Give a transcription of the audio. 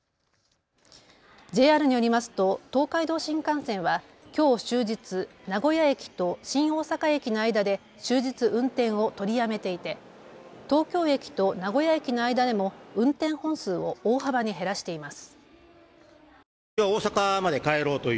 ＪＲによりますと東海道新幹線はきょう終日、名古屋駅と新大阪駅の間で終日運転を取りやめていて東京駅と名古屋駅の間でも運転本数を大幅に減らしています。